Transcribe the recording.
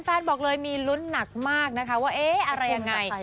บอกเลยมีลุ้นหนักมากนะคะว่าเอ๊ะอะไรยังไง